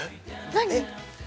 何？